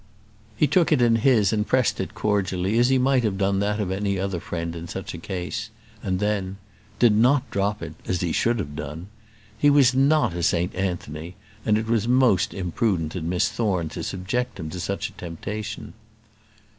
He took it in his and pressed it cordially, as he might have done that of any other friend in such a case; and then did not drop it as he should have done. He was not a St Anthony, and it was most imprudent in Miss Thorne to subject him to such a temptation.